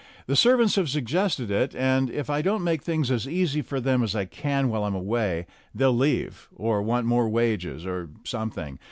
"The servants have suggested it, and if I don't make things as easy for them as I can while I'm away they'll leave, or want more wages, or something.